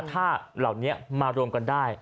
ถ้าเหล่านี้มารวมกันได้